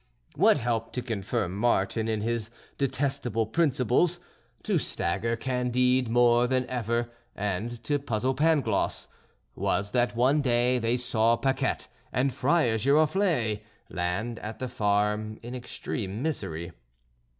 What helped to confirm Martin in his detestable principles, to stagger Candide more than ever, and to puzzle Pangloss, was that one day they saw Paquette and Friar Giroflée land at the farm in extreme misery.